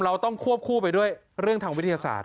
เราต้องควบคู่ไปด้วยเรื่องทางวิทยาศาสต